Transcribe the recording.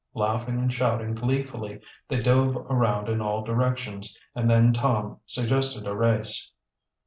Laughing and shouting gleefully they dove around in all directions, and then Tom suggested a race.